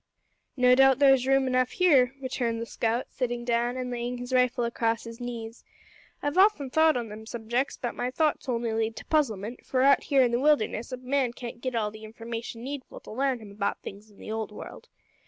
"No doubt there's room enough here," returned the scout sitting down and laying his rifle across his knees. "I've often thowt on them subjects, but my thowts only lead to puzzlement; for, out here in the wilderness, a man can't git all the information needful to larn him about things in the old world.